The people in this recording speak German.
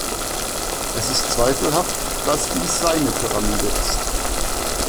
Es ist zweifelhaft, dass dies seine Pyramide ist.